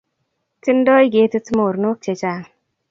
Tindoi ketit mornok chechang